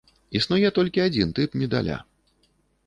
Існуе толькі адзін тып медаля.